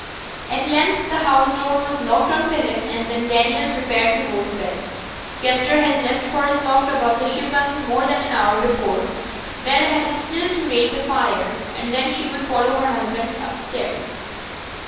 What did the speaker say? At length the house door was locked on Philip, and then Daniel prepared to go to bed. Kester had left for his loft above the shippen more than an hour before. Bell had still to rake the fire, and then she would follow her husband upstairs.